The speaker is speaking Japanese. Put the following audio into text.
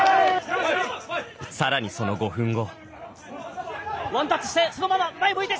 さらにその５分後。